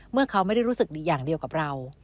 เมื่อเขาไม่ได้รู้สึกดีอย่างเดียวกับเรา